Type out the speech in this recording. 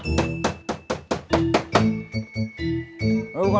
tidak ada yang bisa dipercaya